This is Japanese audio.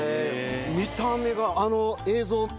見た目があの映像。